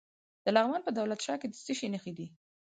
د لغمان په دولت شاه کې د څه شي نښې دي؟